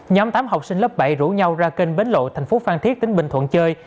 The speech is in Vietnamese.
nhóm tám học sinh lớp bảy rủ nhau ra kênh bến lộ thành phố phan thiết tỉnh bình thuận chơi